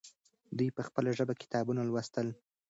دوی په خپله ژبه کتابونه لوستل.